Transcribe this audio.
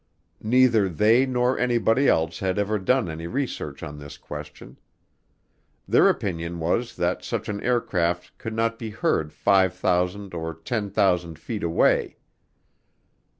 Neither they nor anybody else had ever done any research on this question. Their opinion was that such an aircraft could not be heard 5,000 or 10,000 feet away.